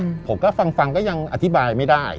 อะไรอย่างเงี้ยผมก็ฟังก็ยังอธิบายไม่ได้